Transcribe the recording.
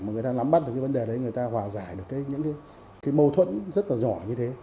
mà người ta nắm bắt được cái vấn đề đấy người ta hòa giải được những cái mâu thuẫn rất là nhỏ như thế